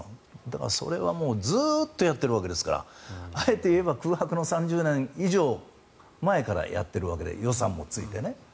だからそれはずっとやっているわけですからあえて言えば空白の３０年以上前からやっているわけで予算もついてね。